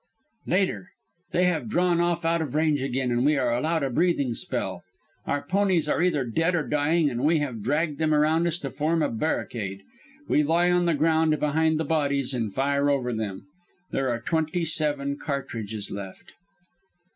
"Later. They have drawn off out of range again, and we are allowed a breathing spell. Our ponies are either dead or dying, and we have dragged them around us to form a barricade. We lie on the ground behind the bodies and fire over them. There are twenty seven cartridges left.